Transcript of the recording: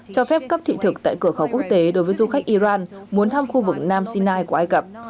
cho phép cấp thị thực tại cửa khẩu quốc tế đối với du khách iran muốn thăm khu vực nam sinai của ai cập